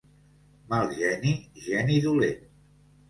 Mal geni, geni dolent.